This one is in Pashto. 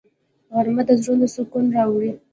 غرمه د زړونو سکون راوړي